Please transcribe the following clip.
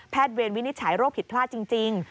เวรวินิจฉัยโรคผิดพลาดจริง